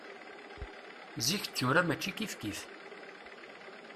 Zik d tura mačči kif kif.